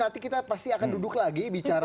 nanti kita pasti akan duduk lagi bicara